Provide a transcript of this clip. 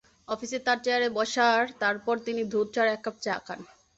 অফিসে তাঁর চেয়ারে বসার পরপর তিনি দুধ ছাড়া এককাপ চা খান।